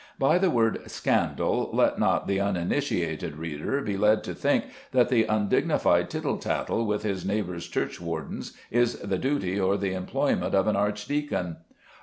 By the word "scandal" let not the uninitiated reader be led to think that undignified tittle tattle with his neighbour's churchwardens is the duty or the employment of an archdeacon.